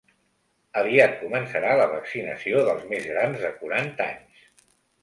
Aviat començarà la vaccinació dels més grans de quaranta anys.